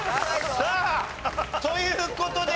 さあという事で。